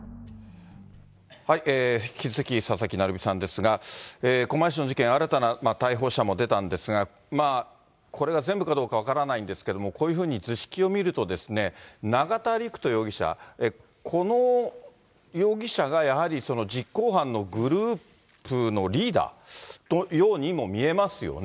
引き続き佐々木成三さんですが、狛江市の事件、新たな逮捕者も出たんですが、これが全部かどうか分からないんですけども、こういうふうに図式を見ると、永田陸人容疑者、この容疑者がやはりその実行犯のグループのリーダーのようにも見えますよね。